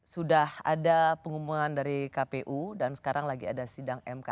sudah ada pengumuman dari kpu dan sekarang lagi ada sidang mk